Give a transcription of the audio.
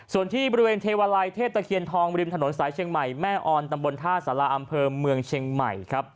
ส่วนที่บริเวณเทวาลัยเทพตะเคียนทองริมถนนสายเชียงใหม่แม่ออนตำบลท่าสาราอำเภอเมืองเชียงใหม่ครับ